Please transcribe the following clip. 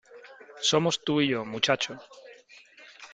Somos tú y yo , muchacho .